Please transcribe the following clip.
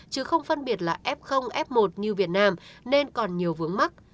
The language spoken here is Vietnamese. chứ không phân biệt là f f một như việt nam nên còn nhiều vướng mắt